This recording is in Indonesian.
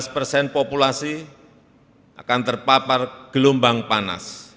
empat belas persen populasi akan terpapar gelombang air